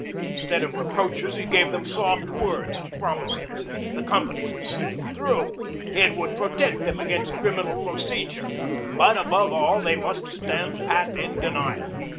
Instead of reproaches he gave them soft words and promises. The company would see them through. It would protect them against criminal procedure. But above all they must stand pat in denial.